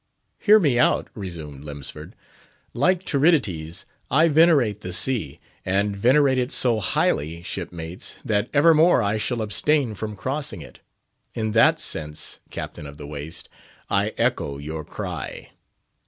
"Hear me out," resumed Lemsford. "Like Tiridates, I venerate the sea, and venerate it so highly, shipmates, that evermore I shall abstain from crossing it. In that sense, Captain of the Waist, I echo your cry."